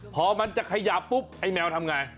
พอมันจะขยาบปุ๊บไอแมวทำง่าย